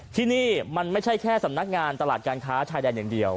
ที่นี่มันไม่ใช่แค่สำนักงานตลาดการค้าชายแดนอย่างเดียว